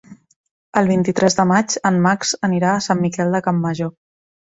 El vint-i-tres de maig en Max anirà a Sant Miquel de Campmajor.